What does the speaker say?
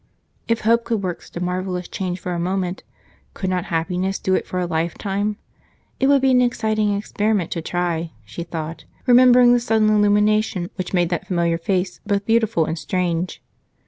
If hope could work such a marvelous change for a moment, could not happiness do it for a lifetime? It would be an exciting experiment to try, she thought, remembering the sudden illumination which made that familiar face both beautiful and strange.